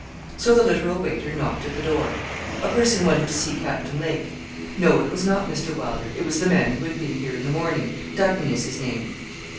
So the literal waiter knocked at the door. 'A person wanted to see Captain Lake. No, it was not Mr. Wylder. It was the man who had been here in the morning Dutton is his name.'